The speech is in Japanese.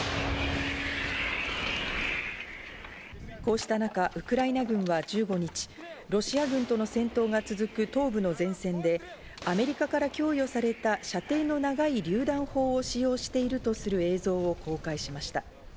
こうした中、ウクライナ軍は１５日、ロシア軍との戦闘が続く東部の前線でアメリカから供与された、射程の長いりゅう弾砲を使用しているとする映像を公開しました。